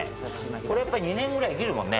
これ、やっぱり２年ぐらい生きるもんね。